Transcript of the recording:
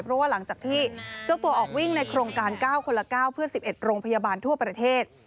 เพราะว่าหลังจากที่เจ้าตัวออกวิ่งในโครงการ๙คนละ๙เพื่อ๑๑โรงพยาบาลทั่วประเทศ